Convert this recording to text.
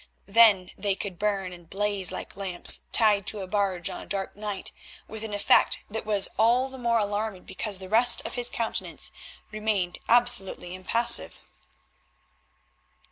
Then they could burn and blaze like lamps tied to a barge on a dark night, with an effect that was all the more alarming because the rest of his countenance remained absolutely impassive.